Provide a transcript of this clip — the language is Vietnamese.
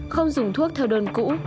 không dùng thuốc theo đơn cũ